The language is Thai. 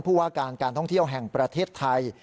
ผู้ว่าการการท่องเที่ยวแห่งประเทศไทย